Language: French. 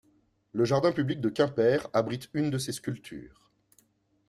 Le jardin public de Quimper abrite une de ses sculptures.